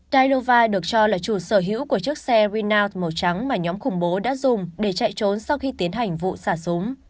cairova được cho là chủ sở hữu của chiếc xe rinat màu trắng mà nhóm khủng bố đã dùng để chạy trốn sau khi tiến hành vụ xả súng